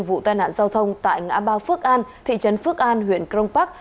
vụ tai nạn giao thông tại ngã ba phước an thị trấn phước an huyện crong park